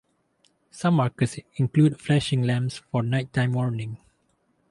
Some markers include flashing lamps for night-time warning.